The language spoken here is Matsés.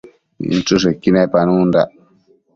inchËshequi nepanundac